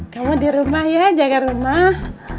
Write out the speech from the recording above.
kamu di rumah ya jaga rumah